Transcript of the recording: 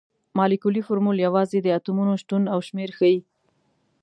مالیکولي فورمول یوازې د اتومونو شتون او شمیر ښيي.